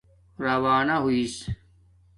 راوانہ ہوس